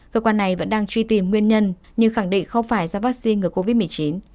cơ quan này vẫn đang truy tìm nguyên nhân nhưng khẳng định không phải do vaccine ngừa covid một mươi chín